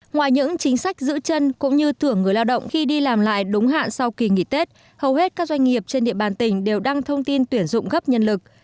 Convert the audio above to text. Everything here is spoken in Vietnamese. ngoài những chính sách giữ chân cũng như thưởng người lao động khi đi làm lại đúng hạn sau kỳ nghỉ tết hầu hết các doanh nghiệp trên địa bàn tỉnh đều đăng thông tin tuyển dụng gấp nhân lực